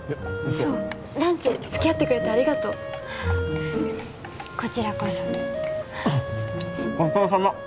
そうランチつきあってくれてありがとうこちらこそごちそうさま